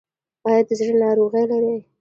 ایا د زړه ناروغي لرئ؟